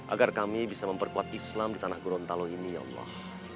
agar kami bisa memperkuat islam di tanah gorontalo ini ya allah